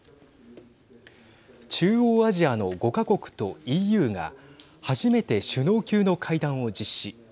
中央アジアの５か国とＥＵが初めて首脳級の会談を実施。